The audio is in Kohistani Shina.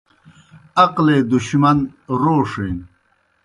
عقلے دُشمن روݜِن